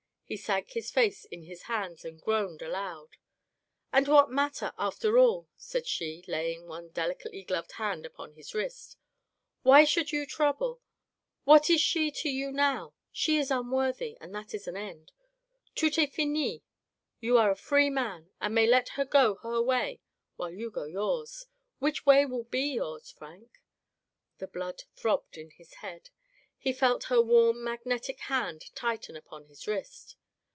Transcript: He sank his face in his hands and groaned aloud. " And what matter, after all ?" said she, laying one delicately gloved hand upon his wrist. " Why should you trouble ? What is she to you now ? She is unworthy, and that is an end. Tout est fini. You are a free man, and may let her go her way while you go yours. Which way will be yours, Frank ?" The blood throbbed in his head. He felt her warm, magnetic hand tighten upon his wrist.